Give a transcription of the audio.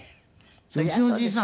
うちのじいさん